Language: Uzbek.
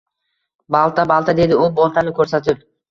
Balta, balta, – dedi u boltani koʻrsatib.